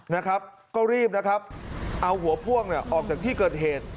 นะครับก็รีบนะครับเอาหัวพ่วงเนี่ยออกจากที่เกิดเหตุ